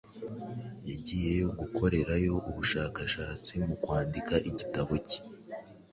Yagiyeyo gukorerayo ubushakashatsi mu kwandika igitabo cye.